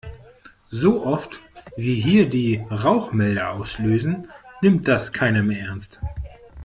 So oft, wie hier die Rauchmelder auslösen, nimmt das keiner mehr ernst.